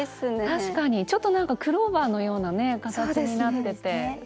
確かにちょっとなんかクローバーのようなね形になってて。